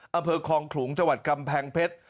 อำเภอคลองขลุงจังหวัดกำแพงเพชร